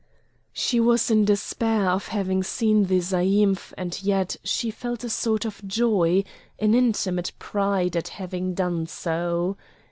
She was in despair of having seen the zaïmph, and yet she felt a sort of joy, an intimate pride at having done so.